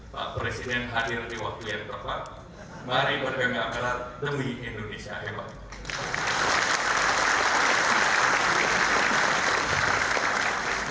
pak presiden hadir di wakilian tepat mari berdengar melar demi indonesia hebat